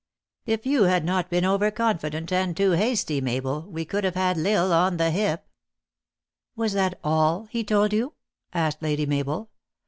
If you had not been over confi dent and too hasty, Mabel, we would have had L Isle on the hip." " Was that all he told you ?" asked Lady Mabel.